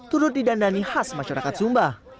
turut didandani khas masyarakat sumba